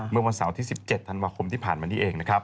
เมื่อวันเสาร์ที่๑๗ธันวาคมที่ผ่านมานี้เองนะครับ